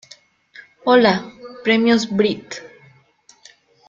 Hola, Premios Brit.